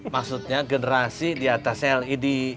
maksudnya generasi di atas led